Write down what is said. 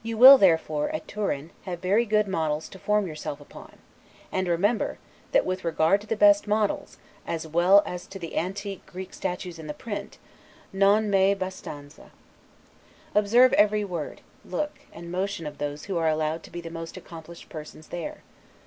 You will therefore, at Turin, have very good models to form yourself upon: and remember, that with regard to the best models, as well as to the antique Greek statues in the print, 'non mai a bastanza'. Observe every word, look, and motion of those who are allowed to be the most accomplished persons there.